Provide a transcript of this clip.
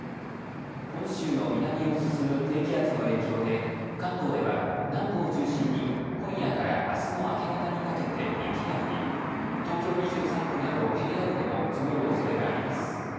本州の南を進む低気圧の影響で関東では南部を中心に今夜からあすの明け方にかけて雪が降り東京２３区など平野部でも積もるおそれがあります。